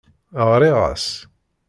Ɣriɣ-as.